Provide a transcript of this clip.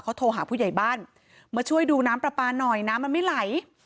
เขาโทรหาผู้ใหญ่บ้านมาช่วยดูน้ำปลาปลาหน่อยน้ำมันไม่ไหล